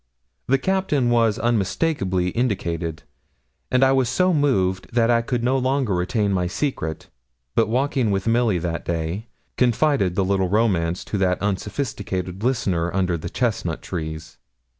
The Captain was unmistakably indicated; and I was so moved that I could no longer retain my secret; but walking with Milly that day, confided the little romance to that unsophisticated listener, under the chestnut trees.